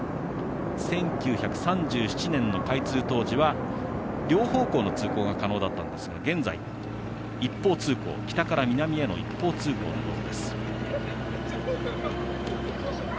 １９３７年の開通当時は両方向の通行が可能だったんですが現在、北から南への一方通行のようです。